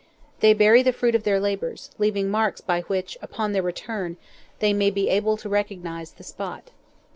They bury the fruit of their labours, leaving marks by which, upon their return, they may be able to recognise the spot.